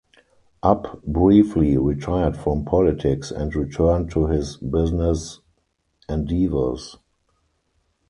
Uy briefly retired from politics and return to his business endeavors.